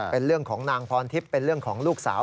เป็นเรื่องของนางพรทิพย์เป็นเรื่องของลูกสาว